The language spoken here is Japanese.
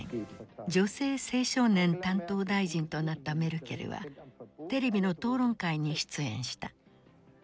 女性・青少年担当大臣となったメルケルはテレビの討論会に出演した。